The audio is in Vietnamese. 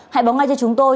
hãy báo ngay cho chúng tôi